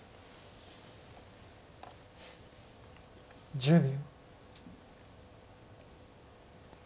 １０秒。